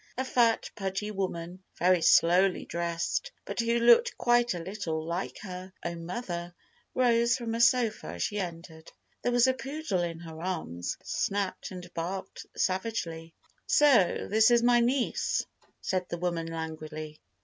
A fat, pudgy woman, very showily dressed, but who looked quite a little like her own mother, rose from a sofa as she entered. There was a poodle in her arms that snapped and barked savagely. "So this is my niece," said the woman, languidly.